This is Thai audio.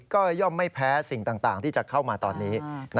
ก็ย่อมไม่แพ้สิ่งต่างที่จะเข้ามาตอนนี้